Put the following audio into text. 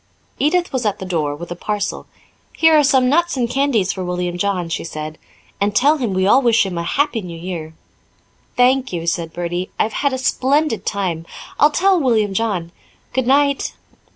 Edith was at the door with a parcel. "Here are some nuts and candies for William John," she said. "And tell him we all wish him a 'Happy New Year.'" "Thank you," said Bertie. "I've had a splendid time. I'll tell William John. Goodnight."